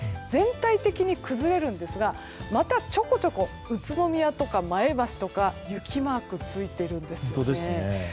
全体的に崩れるんですがまたちょこちょこと宇都宮とか前橋とかで雪マークがついているんですね。